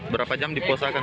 berapa jam diposakan